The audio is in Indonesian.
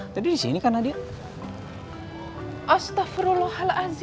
tadi sini karena dia astagfirullahaladzim